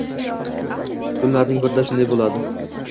Kunlarning birida shunday bo‘ldi.